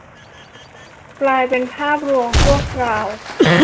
กลายเป็นแค่ภาพลวงชั่วคราว